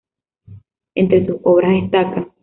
Entre sus obras destacan